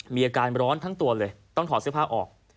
มีอาการร้อนทั้งตัวเลยต้องถอดเสื้อผ้าออก